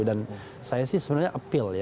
dan saya sih sebenarnya appeal